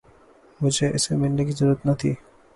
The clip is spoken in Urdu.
مجھے اسے ملنے کی ضرورت نہ تھی